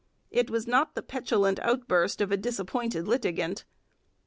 It was not the petulant outburst of a disappointed litigant.